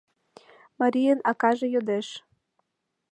Марийын акаже йодеш: